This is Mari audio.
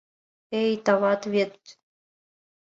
Эй, тават вет...